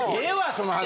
その話。